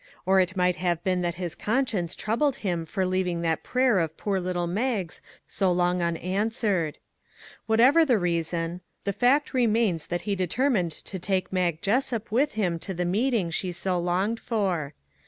Or it might have been that his conscience troubled him for leav ing that prayer of poor little Mag's so long unanswered. Whatever the reason, the fact remains that he determined to take Mag Jessup with him to the meeting she so longed for.